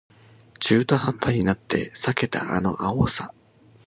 中途半端になって避けたあの青さ